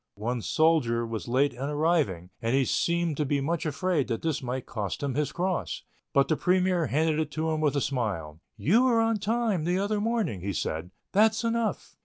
One soldier was late in arriving, and he seemed to be much afraid that this might cost him his cross, but the premier handed it to him with a smile. "You were on time the other morning," he said. "That's enough."